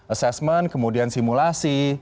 assessment kemudian simulasi